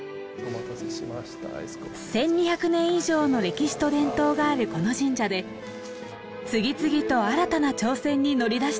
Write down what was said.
１２００年以上の歴史と伝統があるこの神社で次々と新たな挑戦に乗り出しています。